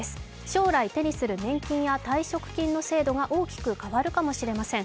将来手にする年金や退職金の制度が大きく変わるかもしれません。